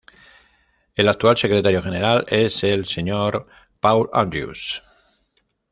El actual Secretario General es el Sr. Paul Andrews.